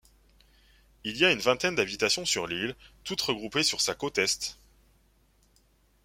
Il y a une vingtaine d'habitations sur l'île, toutes regroupées sur sa côte Est.